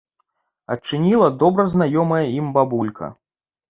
Адчыніла добра знаёмая ім бабулька.